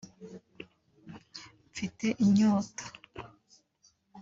“Mfite Inyota”